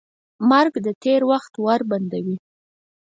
مرګ د تېر وخت ور بندوي.